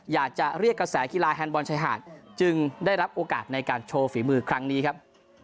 อยากจะเรียกกระแสกีฬาแฮนดบอลชายหาดจึงได้รับโอกาสในการโชว์ฝีมือครั้งนี้ครับ